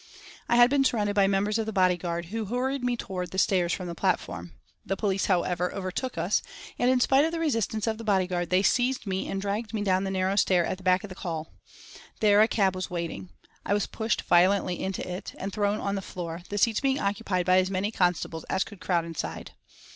I had been surrounded by members of the bodyguard, who hurried me towards the stairs from the platform. The police, however, overtook us, and in spite of the resistance of the bodyguard, they seized me and dragged me down the narrow stair at the back of the hall. There a cab was waiting. I was pushed violently into it, and thrown on the floor, the seats being occupied by as many constables as could crowd inside.